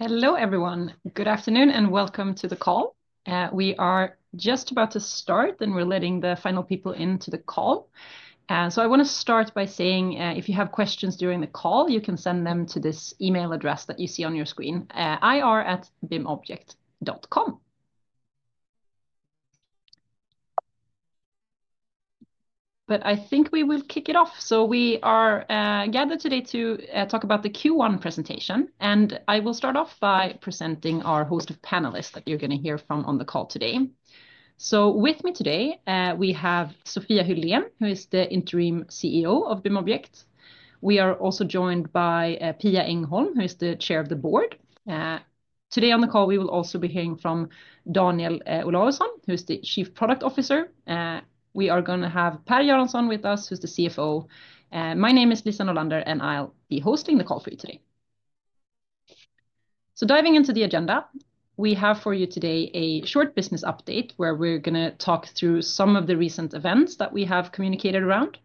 Hello, everyone. Good afternoon, and welcome to the call. We are just about to start, and we're letting the final people into the call. I want to start by saying, if you have questions during the call, you can send them to this email address that you see on your screen: ir@bimobject.com. I think we will kick it off. We are gathered today to talk about the Q1 presentation, and I will start off by presenting our host of panelists that you're going to hear from on the call today. With me today, we have Sofia Hylén, who is the Interim CEO of BIMobject. We are also joined by Pia Engholm, who is the Chair of the Board. Today on the call, we will also be hearing from Daniel Olausson, who is the Chief Product Officer. We are going to have Per Göransson with us, who's the CFO. My name is Lisa Norlander, and I'll be hosting the call for you today. Diving into the agenda, we have for you today a short business update where we're going to talk through some of the recent events that we have communicated around.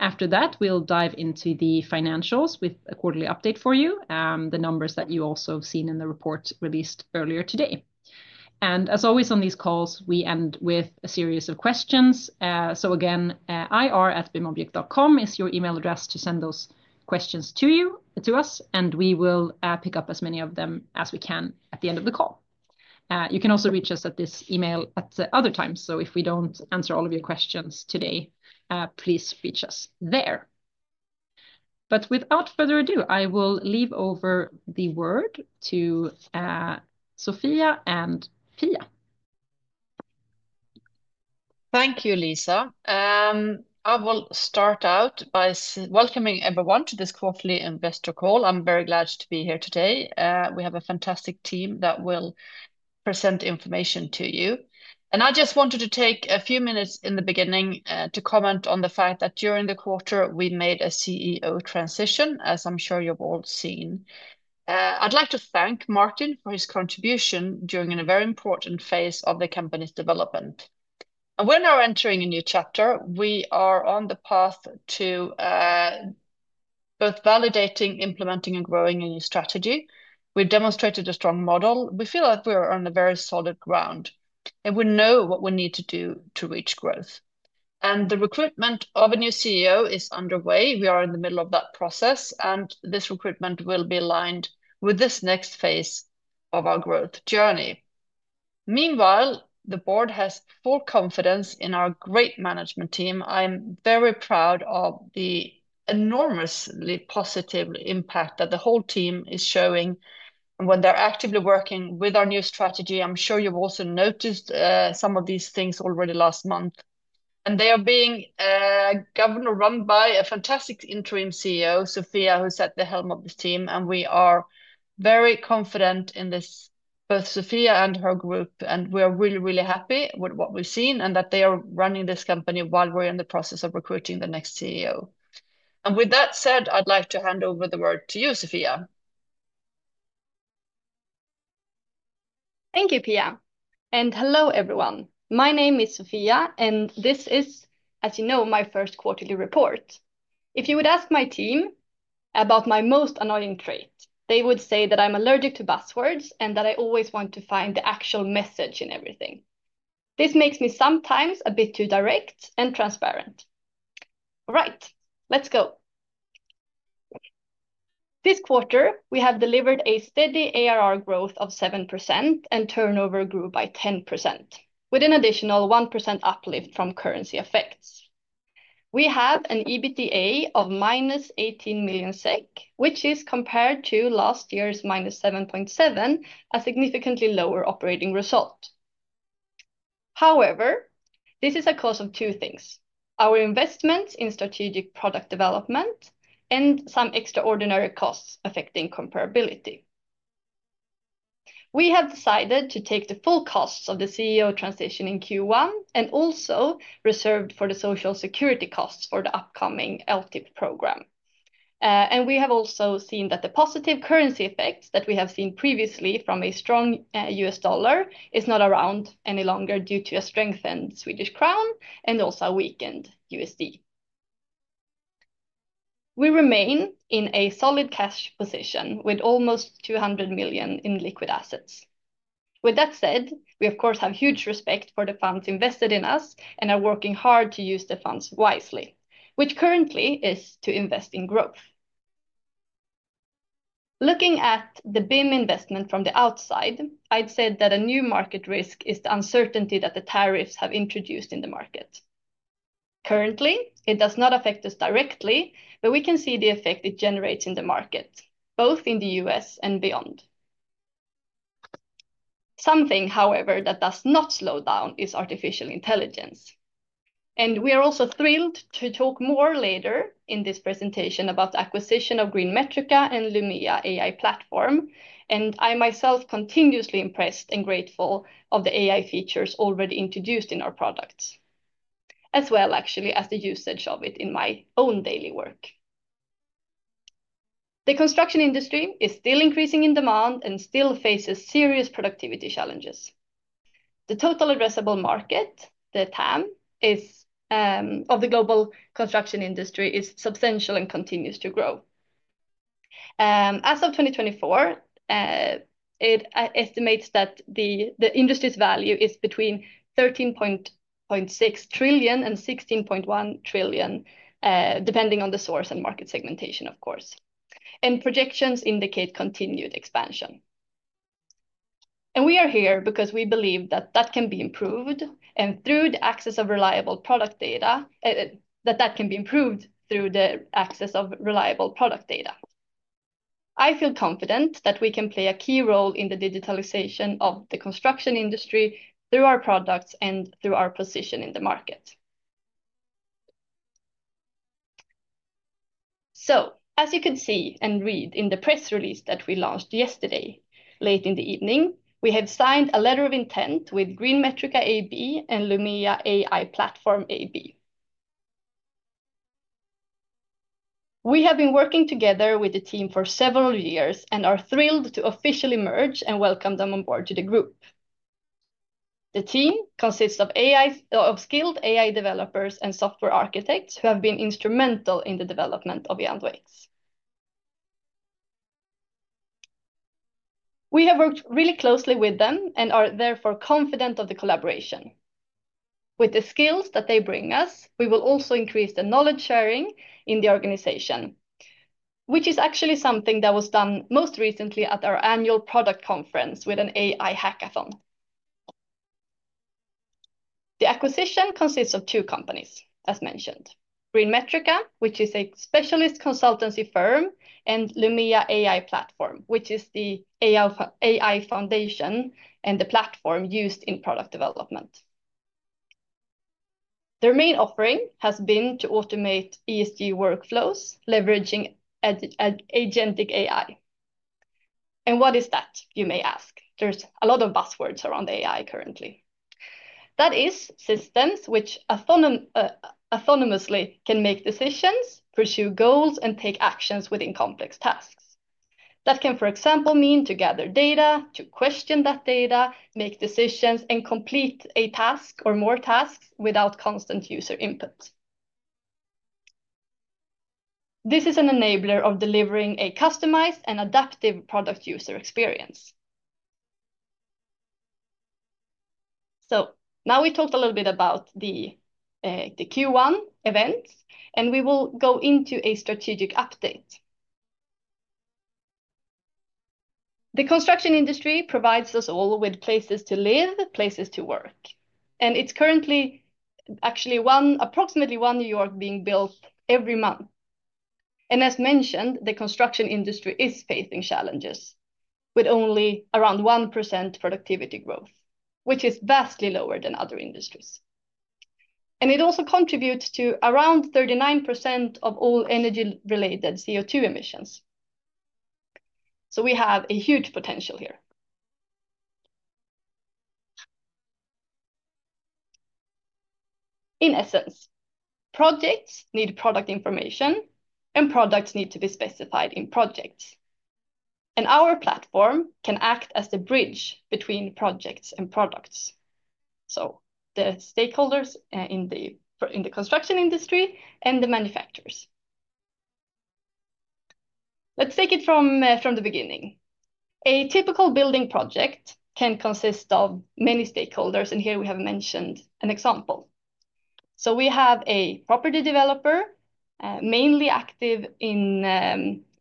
After that, we'll dive into the financials with a quarterly update for you, the numbers that you also have seen in the report released earlier today. As always on these calls, we end with a series of questions. Again, ir@bimobject.com is your email address to send those questions to us, and we will pick up as many of them as we can at the end of the call. You can also reach us at this email at other times, so if we do not answer all of your questions today, please reach us there. Without further ado, I will leave over the word to Sofia and Pia. Thank you, Lisa. I will start out by welcoming everyone to this quarterly investor call. I'm very glad to be here today. We have a fantastic team that will present information to you. I just wanted to take a few minutes in the beginning to comment on the fact that during the quarter, we made a CEO transition, as I'm sure you've all seen. I'd like to thank Martin for his contribution during a very important phase of the company's development. We're now entering a new chapter. We are on the path to both validating, implementing, and growing a new strategy. We've demonstrated a strong model. We feel that we are on very solid ground, and we know what we need to do to reach growth. The recruitment of a new CEO is underway. We are in the middle of that process, and this recruitment will be aligned with this next phase of our growth journey. Meanwhile, the board has full confidence in our great management team. I'm very proud of the enormously positive impact that the whole team is showing when they're actively working with our new strategy. I'm sure you've also noticed some of these things already last month. They are being governed and run by a fantastic Interim CEO, Sofia, who sat at the helm of this team. We are very confident in this, both Sofia and her group, and we are really, really happy with what we've seen and that they are running this company while we're in the process of recruiting the next CEO. With that said, I'd like to hand over the word to you, Sofia. Thank you, Pia. Hello, everyone. My name is Sofia, and this is, as you know, my first Quarterly Report. If you would ask my team about my most annoying trait, they would say that I'm allergic to buzzwords and that I always want to find the actual message in everything. This makes me sometimes a bit too direct and transparent. All right, let's go. This quarter, we have delivered a steady ARR growth of 7%, and turnover grew by 10%, with an additional 1% uplift from currency effects. We have an EBITDA of -18 million SEK, which is compared to last year's -7.7 million, a significantly lower operating result. However, this is a cause of two things: our investments in strategic product development and some extraordinary costs affecting comparability. We have decided to take the full costs of the CEO transition in Q1 and also reserve for the Social Security costs for the upcoming LTIP Program. We have also seen that the positive currency effects that we have seen previously from a strong U.S. Dollar are not around any longer due to a strengthened Swedish krona and also a weakened USD. We remain in a solid cash position with almost 200 million in liquid assets. With that said, we, of course, have huge respect for the funds invested in us and are working hard to use the funds wisely, which currently is to invest in growth. Looking at the BIM investment from the outside, I'd say that a new market risk is the uncertainty that the tariffs have introduced in the market. Currently, it does not affect us directly, but we can see the effect it generates in the market, both in the U.S. and beyond. Something, however, that does not slow down is Artificial Intelligence. We are also thrilled to talk more later in this presentation about the acquisition of GreenMetrica and Lumea AI Platform. I myself am continuously impressed and grateful for the AI features already introduced in our products, as well actually as the usage of it in my own daily work. The construction industry is still increasing in demand and still faces serious productivity challenges. The Total Addressable Market, the TAM, of the global construction industry is substantial and continues to grow. As of 2024, it estimates that the industry's value is between $13.6 trillion and $16.1 trillion, depending on the source and market segmentation, of course. Projections indicate continued expansion. We are here because we believe that can be improved and through the access of reliable product data, that can be improved through the access of reliable product data. I feel confident that we can play a key role in the digitalization of the construction industry through our products and through our position in the market. As you could see and read in the press release that we launched yesterday, late in the evening, we have signed a letter of intent with GreenMetrica AB and Lumea AI Platform AB. We have been working together with the team for several years and are thrilled to officially merge and welcome them on board to the group. The team consists of skilled AI developers and software architects who have been instrumental in the development of the EandoX. We have worked really closely with them and are therefore confident of the collaboration. With the skills that they bring us, we will also increase the knowledge sharing in the organization, which is actually something that was done most recently at our annual product conference with an AI Hackathon. The acquisition consists of two companies, as mentioned: GreenMetrica, which is a specialist consultancy firm, and Lumea AI Plattform, which is the AI foundation and the platform used in product development. Their main offering has been to Automate ESG Workflows, leveraging Agentic AI. And what is that, you may ask? There is a lot of buzzwords around AI currently. That is systems which autonomously can make decisions, pursue goals, and take actions within complex tasks. That can, for example, mean to gather data, to question that data, make decisions, and complete a task or more tasks without constant user input. This is an enabler of delivering a customized and adaptive product user experience. Now we talked a little bit about the Q1 events, and we will go into a strategic update. The construction industry provides us all with places to live, places to work. It is currently actually approximately one New York being built every month. As mentioned, the construction industry is facing challenges with only around 1% productivity growth, which is vastly lower than other industries. It also contributes to around 39% of all energy-related CO2 Emissions. We have a huge potential here. In essence, projects need product information, and products need to be specified in projects. Our platform can act as the bridge between projects and products, the stakeholders in the construction industry, and the manufacturers. Let's take it from the beginning. A typical building project can consist of many stakeholders, and here we have mentioned an example. We have a property developer mainly active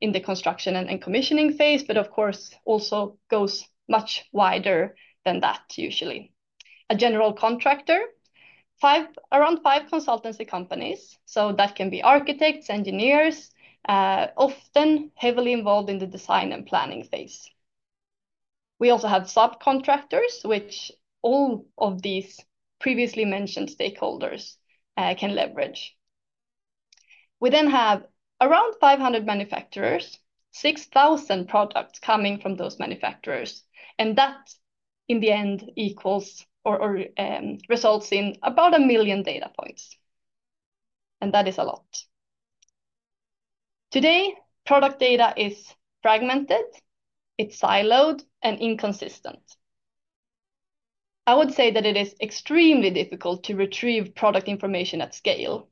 in the construction and commissioning phase, but of course also goes much wider than that usually. A general contractor, around five consultancy companies. That can be Architects, Engineers, often heavily involved in the design and planning phase. We also have subcontractors, which all of these previously mentioned stakeholders can leverage. We then have around 500 manufacturers, 6,000 products coming from those manufacturers, and that in the end equals or results in about a million data points. That is a lot. Today, product data is fragmented, it's siloed, and inconsistent. I would say that it is extremely difficult to retrieve product information at scale.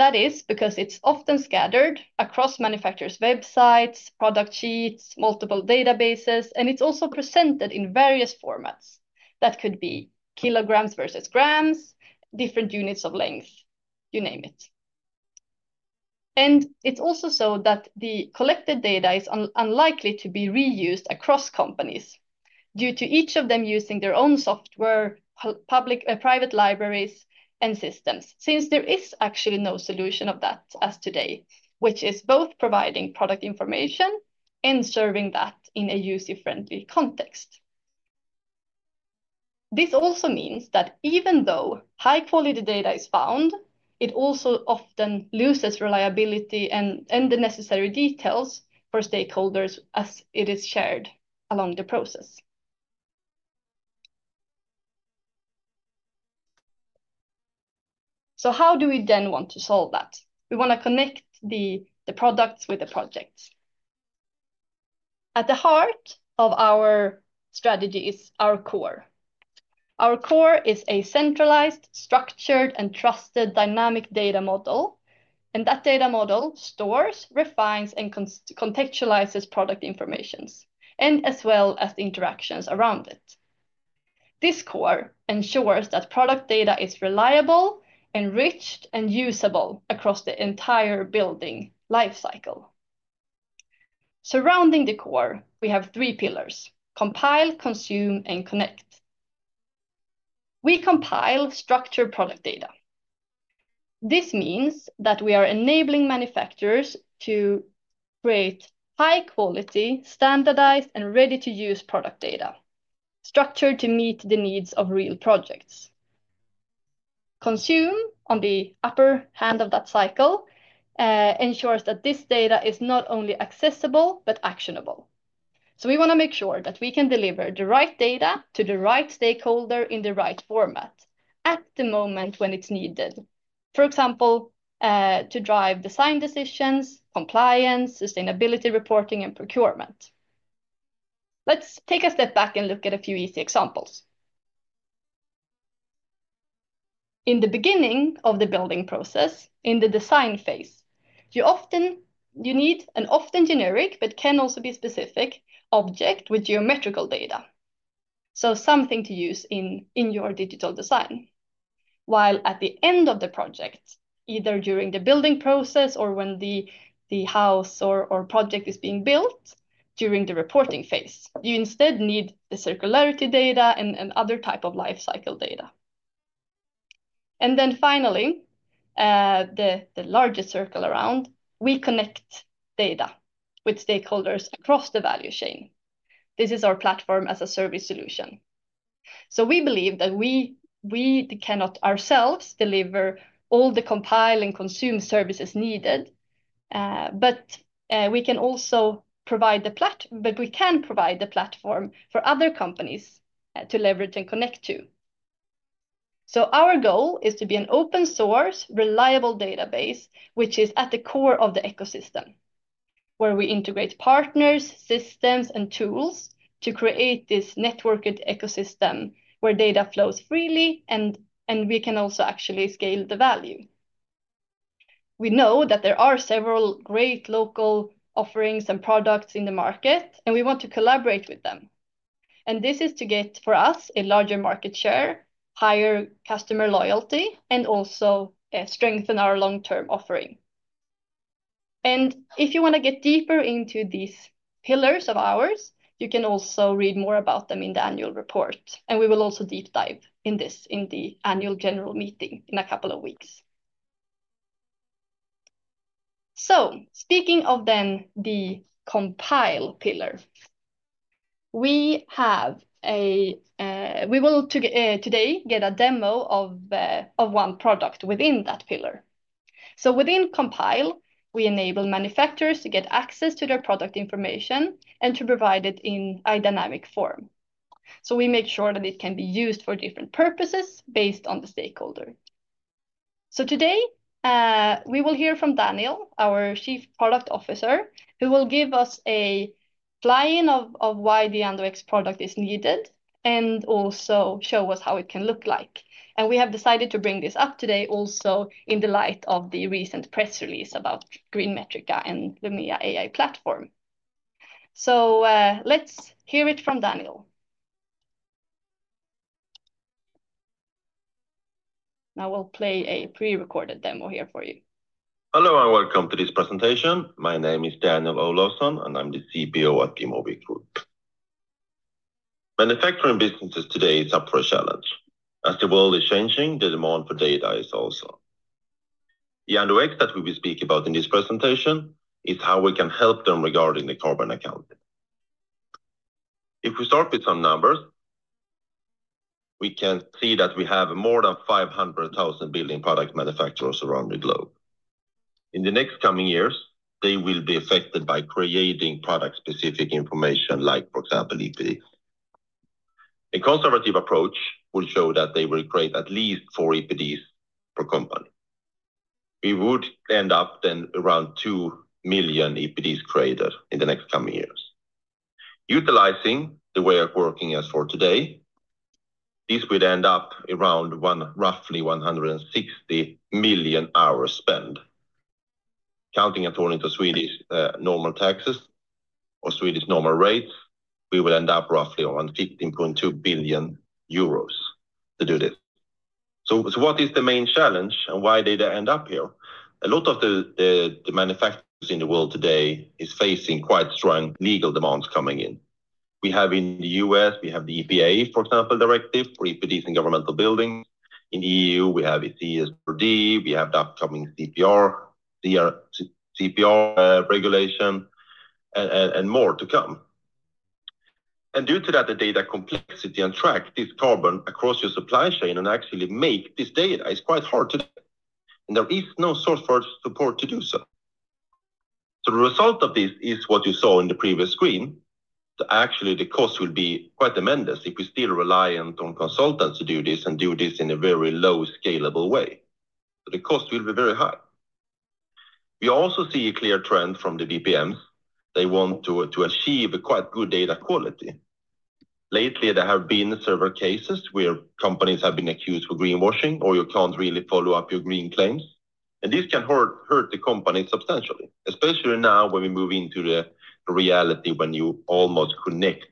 That is because it's often scattered across manufacturers' websites, product sheets, multiple databases, and it's also presented in various formats that could be kilograms versus grams, different units of length, you name it. It's also so that the collected data is unlikely to be reused across companies due to each of them using their own software, private libraries, and systems, since there is actually no solution of that as today, which is both providing product information and serving that in a User-friendly context. This also means that even though high-quality data is found, it also often loses reliability and the necessary details for stakeholders as it is shared along the process. How do we then want to solve that? We want to connect the products with the projects. At the heart of our strategy is our core. Our core is a centralized, structured, and trusted Dynamic Data Model. That data model stores, refines, and contextualizes product information, as well as the interactions around it. This core ensures that product data is reliable, enriched, and usable across the entire building lifecycle. Surrounding the core, we have three pillars: compile, consume, and connect. We compile Structured Product Data. This means that we are enabling manufacturers to create high-quality, standardized, and ready-to-use product data structured to meet the needs of real projects. Consume, on the upper hand of that cycle, ensures that this data is not only accessible but actionable. We want to make sure that we can deliver the right data to the right stakeholder in the right format at the moment when it is needed, for example, to drive design decisions, compliance, sustainability reporting, and procurement. Let's take a step back and look at a few easy examples. In the beginning of the building process, in the design phase, you often need an often generic but can also be specific object with geometrical data. Something to use in your digital design. While at the end of the project, either during the building process or when the house or project is being built during the reporting phase, you instead need the circularity data and other types of lifecycle data. Finally, the larger circle around, we connect data with stakeholders across the value chain. This is our Platform as a Service Solution. We believe that we cannot ourselves deliver all the compile and consume services needed, but we can provide the platform for other companies to leverage and connect to. Our goal is to be an open-source, reliable database, which is at the core of the ecosystem, where we integrate partners, systems, and tools to create this networked ecosystem where data flows freely and we can also actually scale the value. We know that there are several great local offerings and products in the market, and we want to collaborate with them. This is to get for us a larger market share, higher customer loyalty, and also strengthen our long-term offering. If you want to get deeper into these pillars of ours, you can also read more about them in the Annual Report. We will also deep dive in this in the Annual General Meeting in a couple of weeks. Speaking of then the compile pillar, we will today get a demo of one product within that pillar. Within compile, we enable manufacturers to get access to their product information and to provide it in a dynamic form. We make sure that it can be used for different purposes based on the stakeholder. Today, we will hear from Daniel, our Chief Product Officer, who will give us a line of why the EandoX product is needed and also show us how it can look like. We have decided to bring this up today also in the light of the recent press release about GreenMetrica and Lumea AI Plattform. Let's hear it from Daniel. Now we'll play a pre-recorded demo here for you. Hello, and welcome to this presentation. My name is Daniel Olausson, and I'm the CPO at BIMobject. Manufacturing businesses today is up for a challenge. As the world is changing, the demand for data is also. The EandoX that we will speak about in this presentation is how we can help them regarding the Carbon Accounting. If we start with some numbers, we can see that we have more than 500,000 building product manufacturers around the globe. In the next coming years, they will be affected by creating product-specific information like, for example, EPDs. A conservative approach would show that they will create at least four EPDs per company. We would end up then around 2 million EPDs created in the next coming years. Utilizing the way of working as for today, this would end up around roughly 160 million hours spent. Counting according to Swedish normal taxes or Swedish normal rates, we would end up roughly around 15.2 billion euros to do this. So what is the main challenge and why did they end up here? A lot of the manufacturers in the world today are facing quite strong legal demands coming in. We have in the U.S., we have the EPA, for example, directive for EPDs in governmental buildings. In the EU, we have CSRD, we have the upcoming CPR Regulation, and more to come. Due to that, the data complexity and tracking this carbon across your supply chain and actually making this data is quite hard to do. There is no software support to do so. The result of this is what you saw in the previous screen. Actually, the cost will be quite tremendous if we're still reliant on consultants to do this and do this in a very low scalable way. The cost will be very high. We also see a clear trend from the DPMs. They want to achieve quite good data quality. Lately, there have been several cases where companies have been accused of Greenwashing or you can't really follow up your green claims. This can hurt the company substantially, especially now when we move into the reality when you almost connect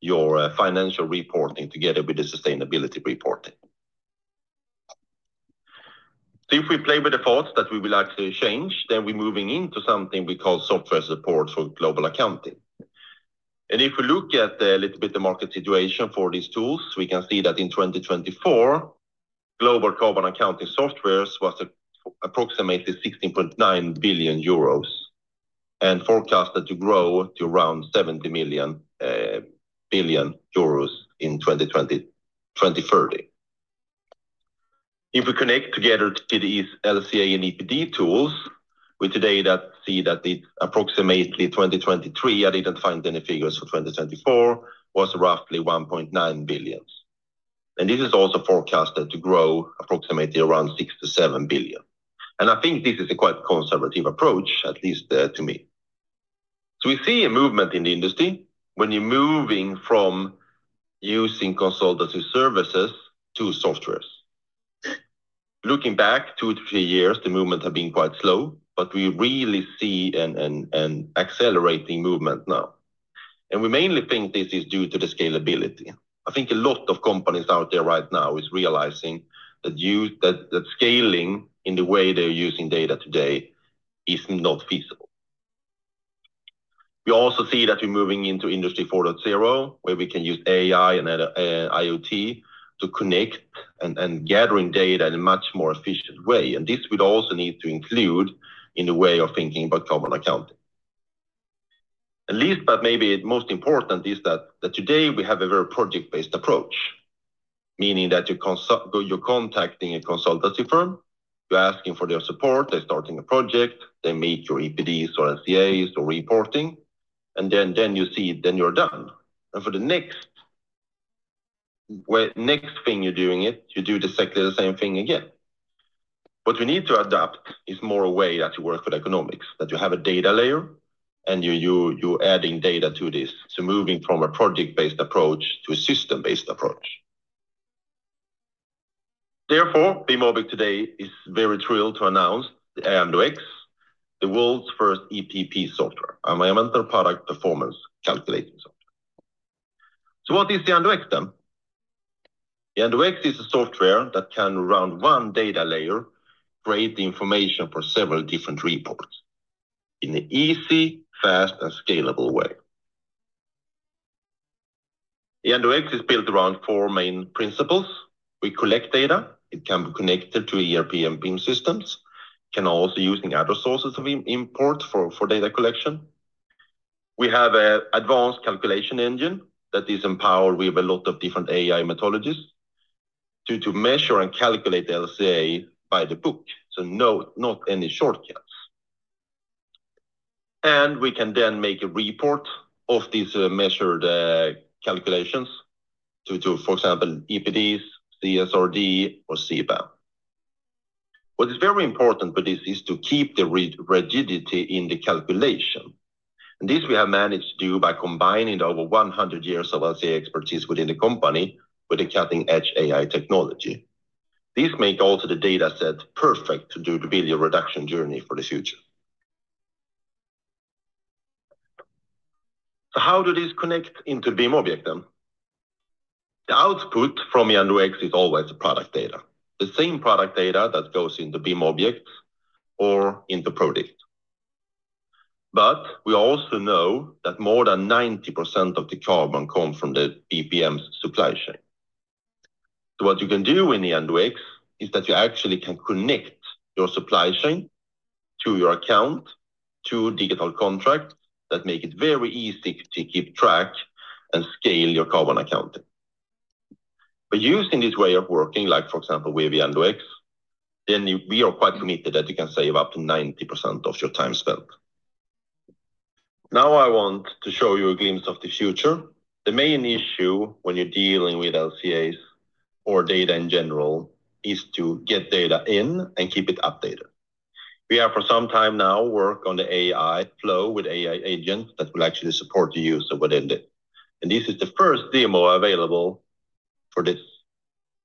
your Financial Reporting together with the Sustainability Reporting. If we play with the thoughts that we would like to change, then we're moving into something we call Software Support for Global Accounting. If we look at a little bit of the market situation for these tools, we can see that in 2024, Global Carbon Accounting Software was approximately 16.9 billion euros and forecasted to grow to around 70 billion euros in 2030. If we connect together to these LCA and EPD tools, we today see that approximately 2023, I didn't find any figures for 2024, was roughly 1.9 billion. This is also forecasted to grow approximately around 6 billion-7 billion. I think this is a quite conservative approach, at least to me. We see a movement in the industry when you're moving from using consultancy services to softwares. Looking back two to three years, the movement has been quite slow, but we really see an accelerating movement now. We mainly think this is due to the scalability. I think a lot of companies out there right now are realizing that scaling in the way they're using data today is not feasible. We also see that we're moving into Industry 4.0, where we can use AI and IoT to connect and gather data in a much more efficient way. This would also need to include in the way of thinking about Carbon Accounting. At least, but maybe most important is that today we have a very project-based approach, meaning that you're contacting a consultancy firm, you're asking for their support, they're starting a project, they meet your EPDs or LCAs or reporting, and then you see, then you're done. For the next thing you're doing it, you do exactly the same thing again. What we need to adapt is more a way that you work with economics, that you have a Data Layer and you're adding data to this. Moving from a project-based approach to a system-based approach. Therefore, BIMobject today is very thrilled to announce the EandoX, the world's first EPP software, a momentum product performance calculating software. What is the EandoX then? The EandoX is a software that can run one Data Layer, create the information for several different reports in an easy, fast, and scalable way. The EandoX is built around four main principles. We collect data. It can be connected to ERP and BIM systems. It can also be used in other sources of import for data collection. We have an advanced calculation engine that is empowered with a lot of different AI methodologies to measure and calculate the LCA by the book. Not any shortcuts. We can then make a report of these measured calculations to, for example, EPDs, CSRD, or CBAM. What is very important with this is to keep the rigidity in the calculation. This we have managed to do by combining over 100 years of LCA expertise within the company with the cutting-edge AI technology. This also makes the dataset perfect to do the billion reduction journey for the future. How do these connect into BIMobject then? The output from the EandoX is always product data. The same product data that goes into BIMobject or into Prodikt. We also know that more than 90% of the carbon comes from the BPMs supply chain. What you can do in the EandoX is that you actually can connect your supply chain to your account, to digital contracts that make it very easy to keep track and scale your carbon accounting. Using this way of working, like for example, with the EandoX, we are quite committed that you can save up to 90% of your time spent. Now I want to show you a glimpse of the future. The main issue when you're dealing with LCAs or data in general is to get data in and keep it updated. We have for some time now worked on the AI Flow with AI Agents that will actually support the user within this. This is the first demo available for this.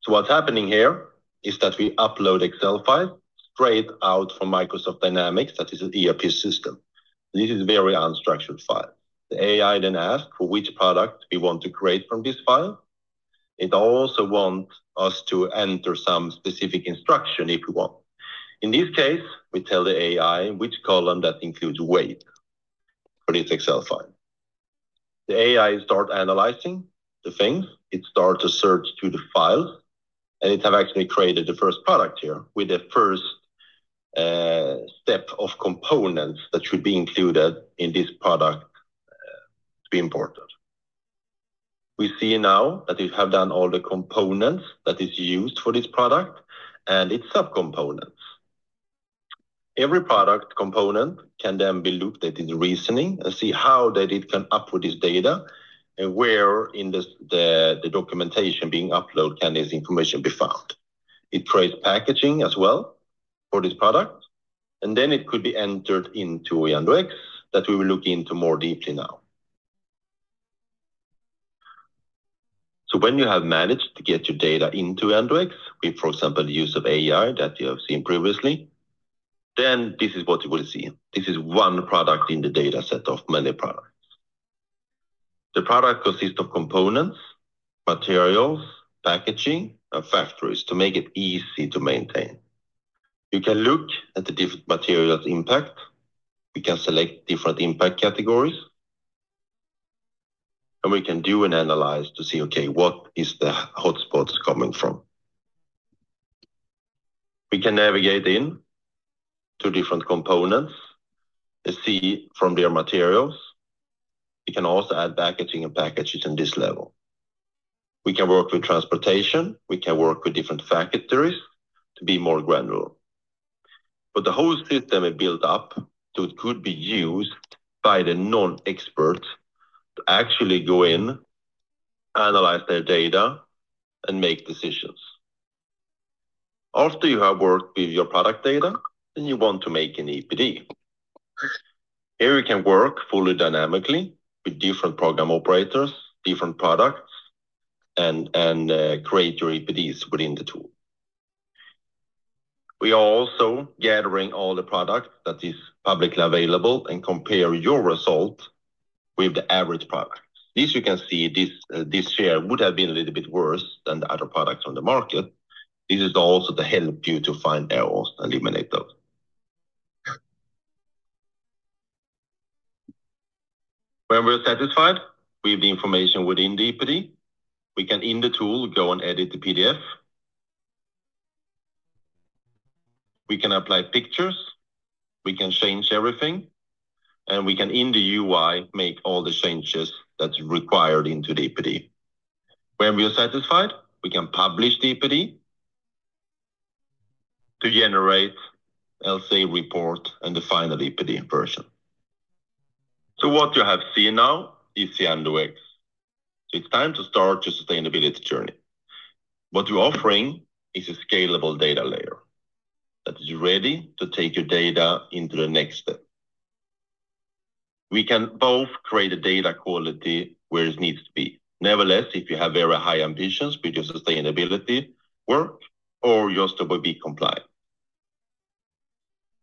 What's happening here is that we upload Excel files straight out from Microsoft Dynamics, that is an ERP system. This is a very unstructured file. The AI then asks for which product we want to create from this file. It also wants us to enter some specific instruction if we want. In this case, we tell the AI which column includes weight for this Excel file. The AI starts analyzing the things. It starts to search through the files, and it has actually created the first product here with the first step of components that should be included in this product to be imported. We see now that we have done all the components that are used for this product and its subcomponents. Every product component can then be looked at in the reasoning and see how it can up with this data and where in the documentation being uploaded can this information be found. It creates packaging as well for this product, and then it could be entered into EandoX that we will look into more deeply now. When you have managed to get your data into EandoX, with, for example, the use of AI that you have seen previously, this is what you will see. This is one product in the dataset of many products. The product consists of components, materials, packaging, and factories to make it easy to maintain. You can look at the different materials' impact. We can select different impact categories, and we can do an analysis to see, okay, what are the hotspots coming from? We can navigate into different components and see from their materials. We can also add packaging and packages in this level. We can work with transportation. We can work with different factories to be more granular. The whole system is built up so it could be used by the non-experts to actually go in, analyze their data, and make decisions. After you have worked with your product data, then you want to make an EPD. Here you can work fully dynamically with different program operators, different products, and create your EPDs within the tool. We are also gathering all the products that are publicly available and comparing your result with the average product. This you can see this share would have been a little bit worse than the other products on the market. This is also to help you to find errors and eliminate those. When we're satisfied with the information within the EPD, we can in the tool go and edit the PDF. We can apply pictures. We can change everything, and we can in the UI make all the changes that are required into the EPD. When we are satisfied, we can publish the EPD to generate LCA report and the final EPD version. What you have seen now is the EandoX. It is time to start your sustainability journey. What we're offering is a Scalable Data Layer that is ready to take your data into the next step. We can both create a data quality where it needs to be. Nevertheless, if you have very high ambitions with your sustainability work or your WB compliance.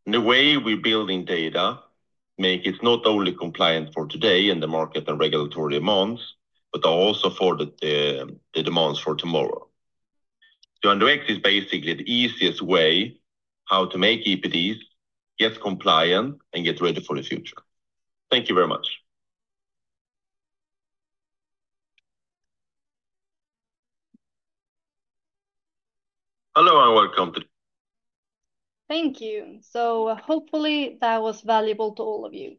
The way we're building data makes it not only compliant for today and the market and regulatory demands, but also for the demands for tomorrow. The EandoX is basically the easiest way how to make EPDs get compliant and get ready for the future. Thank you very much. Hello and welcome to. Thank you. Hopefully that was valuable to all of you.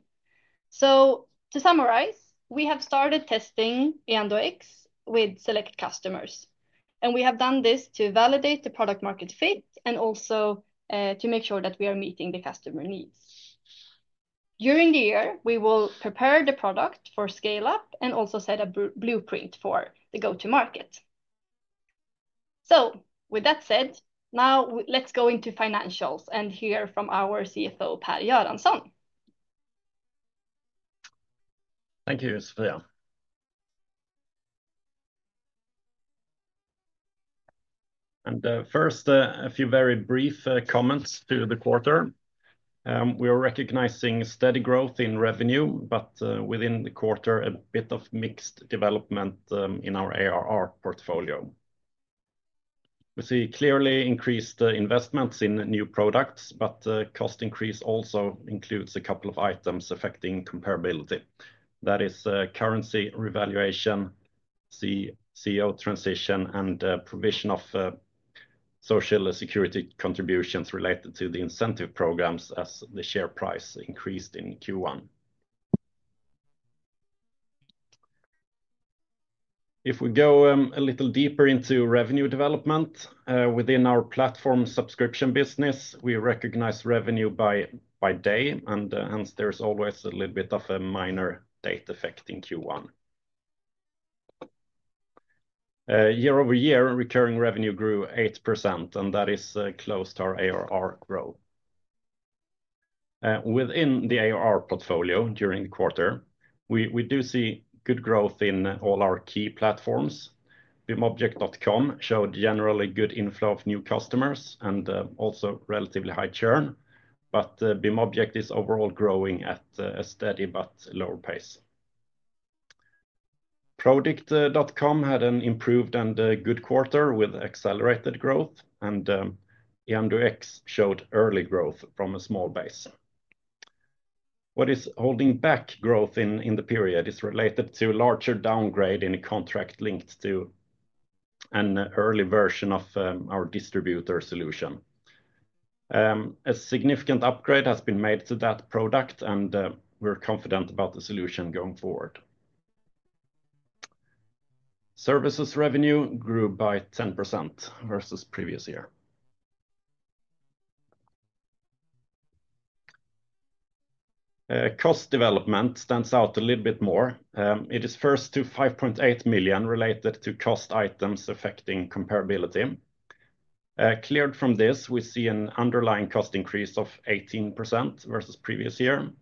To summarize, we have started testing the EandoX with select customers, and we have done this to validate the Product-Market Fit and also to make sure that we are meeting the customer needs. During the year, we will prepare the product for scale-up and also set a blueprint for the go-to-market. With that said, now let's go into financials and hear from our CFO, Per Göransson. Thank you, Sofia. First, a few very brief comments to the quarter. We are recognizing steady growth in revenue, but within the quarter, a bit of mixed development in our ARR portfolio. We see clearly increased investments in new products, but cost increase also includes a couple of items affecting comparability. That is Currency Revaluation, CEO transition, and provision of Social Security Contributions related to the incentive programs as the share price increased in Q1. If we go a little deeper into revenue development, within our platform subscription business, we recognize revenue by day, and hence there's always a little bit of a minor data effect in Q1. Year-over-year, recurring revenue grew 8%, and that is close to our ARR growth. Within the ARR portfolio during the quarter, we do see good growth in all our key platforms. bimobject.com showed generally good inflow of new customers and also relatively high churn, but BIMobject is overall growing at a steady but lower pace. Prodikt.com had an improved and good quarter with accelerated growth, and the EandoX showed early growth from a small base. What is holding back growth in the period is related to a larger downgrade in a contract linked to an early version of our distributor solution. A significant upgrade has been made to that product, and we're confident about the solution going forward. Services revenue grew by 10% versus previous year. Cost development stands out a little bit more. It is first to 5.8 million related to cost items affecting comparability. Cleared from this, we see an underlying cost increase of 18% versus previous year.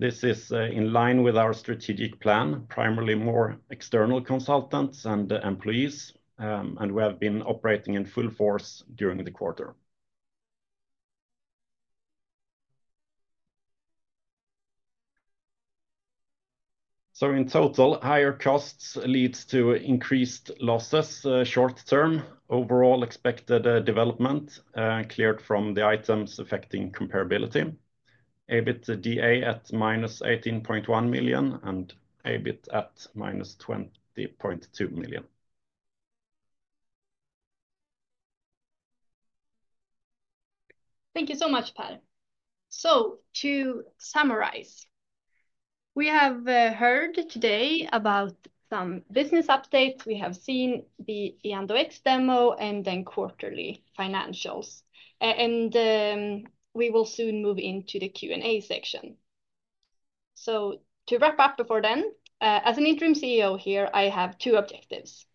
This is in line with our strategic plan, primarily more external consultants and employees, and we have been operating in full force during the quarter. In total, higher costs lead to increased losses short-term. Overall expected development cleared from the items affecting comparability: EBITDA at -18.1 million and EBIT at -20.2 million. Thank you so much, Per. To summarize, we have heard today about some business updates. We have seen the EandoX demo and then Quarterly Financials, and we will soon move into the Q&A section. To wrap up before then, as an Interim CEO here, I have two objectives.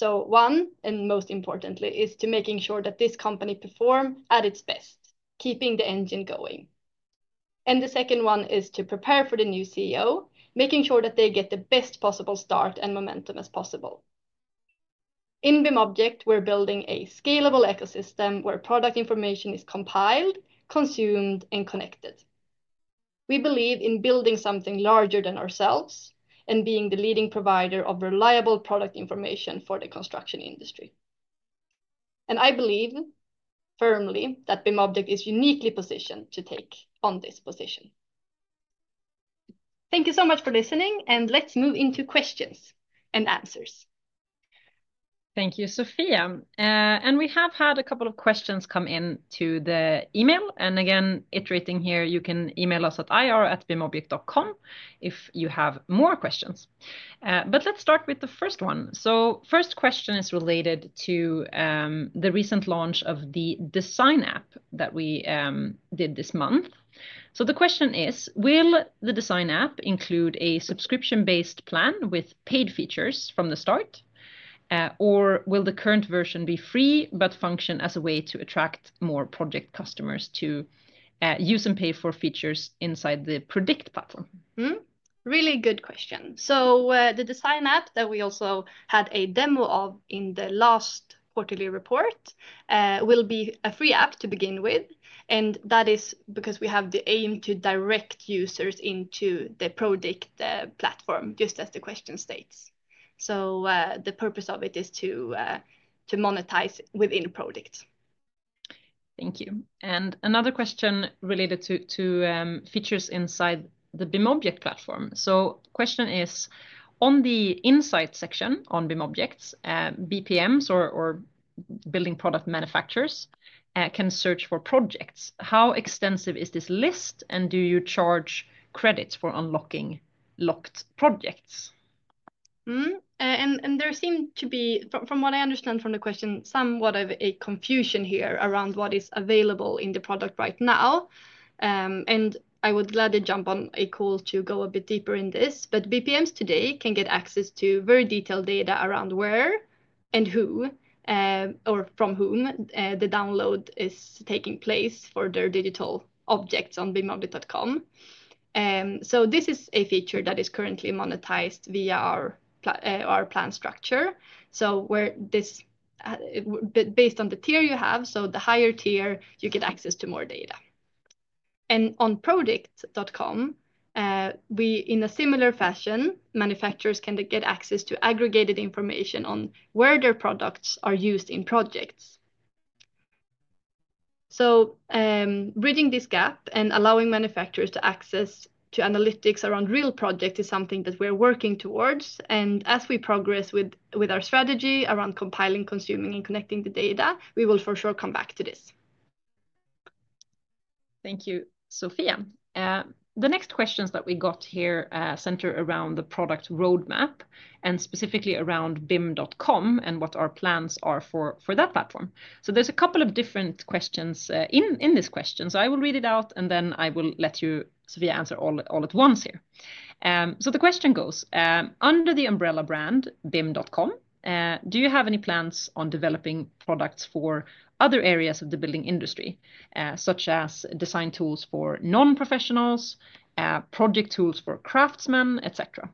One, and most importantly, is to make sure that this company performs at its best, keeping the engine going. The second one is to prepare for the new CEO, making sure that they get the best possible start and momentum as possible. In BIMobject, we're building a scalable ecosystem where product information is compiled, consumed, and connected. We believe in building something larger than ourselves and being the leading provider of reliable product information for the construction industry. I believe firmly that BIMobject is uniquely positioned to take on this position. Thank you so much for listening, and let's move into questions and answers. Thank you, Sofia. We have had a couple of questions come into the email. Again, iterating here, you can email us at ir@bimobject.com if you have more questions. Let's start with the first one. The first question is related to the recent launch of the Design App that we did this month. The question is, will the Design App include a subscription-based plan with paid features from the start, or will the current version be free but function as a way to attract more project customers to use and pay for features inside the Project platform? Really good question. The Design App that we also had a demo of in the last quarterly report will be a free app to begin with, and that is because we have the aim to direct users into the Prodikt platform, just as the question states. The purpose of it is to monetize within Prodikt. Thank you. Another question related to features inside the BIMobject platform. The question is, on the inside section on BIMobject, BPMs or Building Product Manufacturers can search for projects. How extensive is this list, and do you charge credits for unlocking locked projects? There seemed to be, from what I understand from the question, somewhat of a confusion here around what is available in the product right now. I would gladly jump on a call to go a bit deeper in this. BPMs today can get access to very detailed data around where and who or from whom the download is taking place for their digital objects on bimobject.com. This is a feature that is currently monetized via our plan structure. Based on the tier you have, the higher tier, you get access to more data. On Prodikt.com, in a similar fashion, manufacturers can get access to aggregated information on where their products are used in projects. Bridging this gap and allowing manufacturers to access to analytics around real projects is something that we're working towards. As we progress with our strategy around compiling, consuming, and connecting the data, we will for sure come back to this. Thank you, Sofia. The next questions that we got here center around the product roadmap and specifically around bim.com and what our plans are for that platform. There is a couple of different questions in this question. I will read it out, and then I will let you, Sofia, answer all at once here. The question goes, under the umbrella brand bim.com, do you have any plans on developing products for other areas of the building industry, such as design tools for non-professionals, project tools for craftsmen, etc.?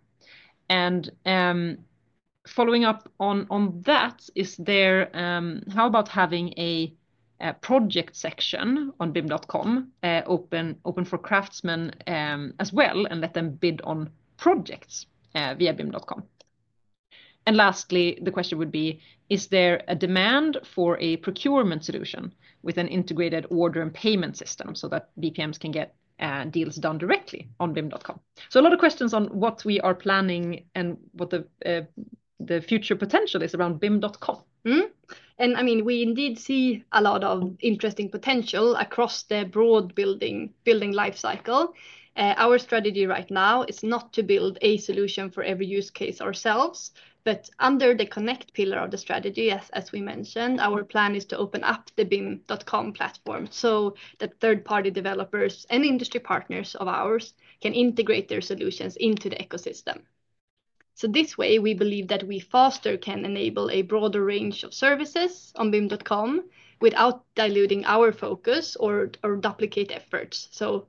Following up on that, how about having a project section on bim.com open for craftsmen as well and let them bid on projects via bim.com? Lastly, the question would be, is there a demand for a procurement solution with an Integrated Order and Payment System so that BPMs can get deals done directly on bim.com? A lot of questions on what we are planning and what the future potential is around bim.com. I mean, we indeed see a lot of interesting potential across the Broad Building Lifecycle. Our strategy right now is not to build a solution for every use case ourselves. Under the connect pillar of the strategy, as we mentioned, our plan is to open up the bim.com platform so that third-party developers and industry partners of ours can integrate their solutions into the ecosystem. This way, we believe that we faster can enable a broader range of services on bim.com without diluting our focus or duplicating efforts, to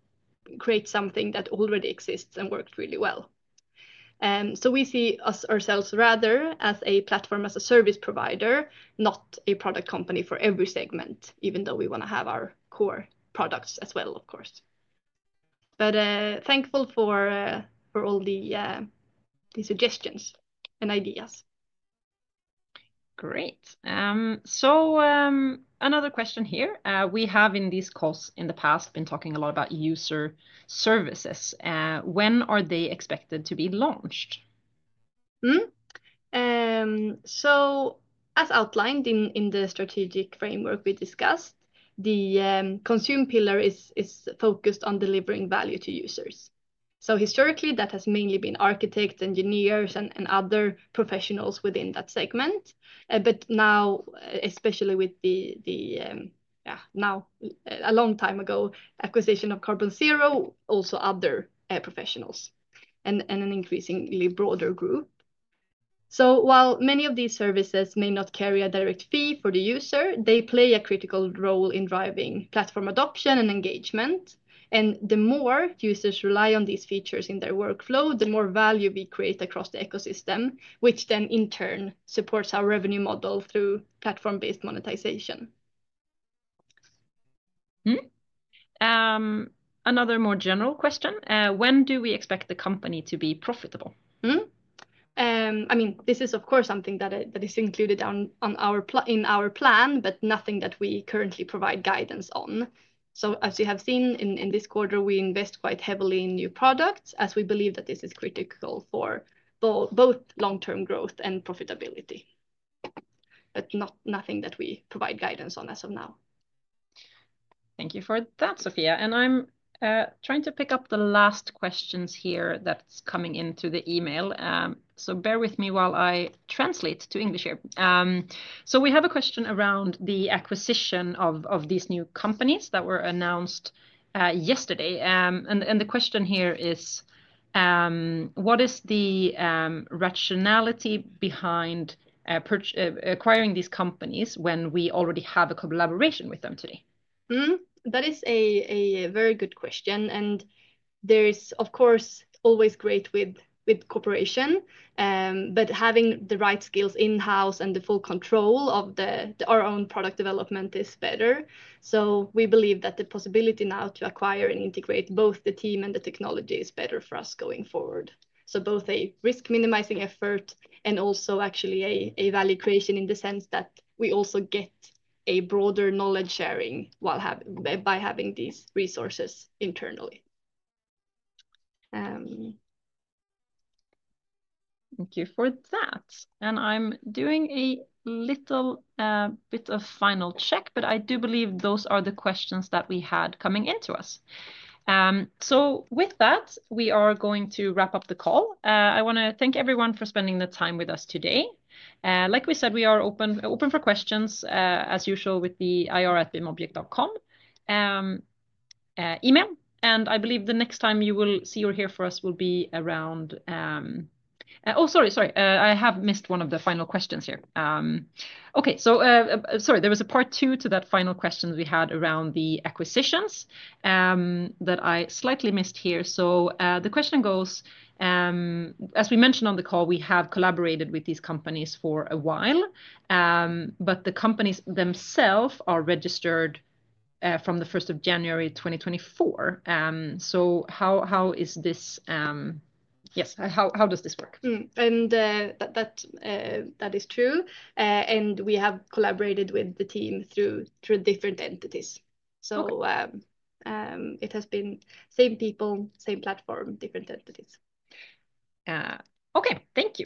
create something that already exists and works really well. We see ourselves rather as a Platform as a Service provider, not a product company for every segment, even though we want to have our core products as well, of course. Thankful for all the suggestions and ideas. Great. Another question here. We have in this course in the past been talking a lot about user services. When are they expected to be launched? As outlined in the Strategic Framework we discussed, the consume pillar is focused on delivering value to users. Historically, that has mainly been Architects, Engineers, and other professionals within that segment. Now, especially with the, yeah, now, a long time ago, acquisition of Carbon Zero, also other professionals and an increasingly broader group. While many of these services may not carry a direct fee for the user, they play a critical role in driving platform adoption and engagement. The more users rely on these features in their workflow, the more value we create across the ecosystem, which in turn supports our revenue model through Platform-based monetization. Another more general question. When do we expect the company to be profitable? I mean, this is, of course, something that is included in our plan, but nothing that we currently provide guidance on. As you have seen in this quarter, we invest quite heavily in new products as we believe that this is critical for both long-term growth and profitability. Nothing that we provide guidance on as of now. Thank you for that, Sofia. I'm trying to pick up the last questions here that are coming into the email. Bear with me while I translate to English here. We have a question around the acquisition of these new companies that were announced yesterday. The question here is, what is the rationality behind acquiring these companies when we already have a collaboration with them today? That is a very good question. There is, of course, always great cooperation, but having the right skills in-house and the full control of our own product development is better. We believe that the possibility now to acquire and integrate both the team and the technology is better for us going forward. It is both a risk-minimizing effort and also actually a value creation in the sense that we also get a broader knowledge sharing by having these resources internally. Thank you for that. I am doing a little bit of final check, but I do believe those are the questions that we had coming into us. With that, we are going to wrap up the call. I want to thank everyone for spending the time with us today. Like we said, we are open for questions as usual with the ir@bimobject.com email. I believe the next time you will see or hear from us will be around, oh, sorry, I have missed one of the final questions here. Sorry, there was a part two to that final question we had around the acquisitions that I slightly missed here. The question goes, as we mentioned on the call, we have collaborated with these companies for a while, but the companies themselves are registered from the 1st of January 2024. How is this, yes, how does this work? That is true. We have collaborated with the team through different entities. It has been same people, same platform, different entities. Thank you.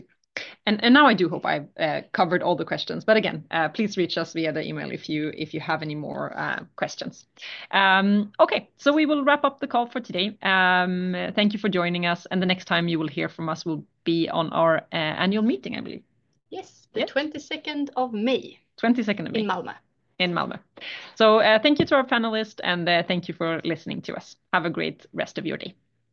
I do hope I covered all the questions. Again, please reach us via the email if you have any more questions. Okay, we will wrap up the call for today. Thank you for joining us. The next time you will hear from us will be on our annual meeting, I believe. Yes, the 22nd of May. 22nd of May. In Malmö. In Malmö. Thank you to our panelists and thank you for listening to us. Have a great rest of your day.